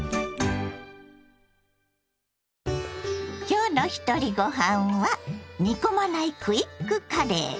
今日の「ひとりごはん」は煮込まないクイックカレー。